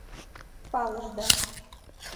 — Палышда.